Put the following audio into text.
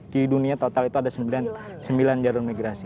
di dunia total itu ada sembilan jalur migrasi